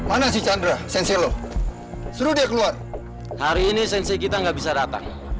oh itu cewek chandra bang